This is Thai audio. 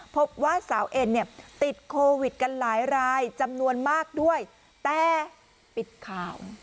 พบว่าสาวเอ็นเนี่ยติดโควิดกันหลายรายจำนวนมากด้วยแต่ปิดข่าว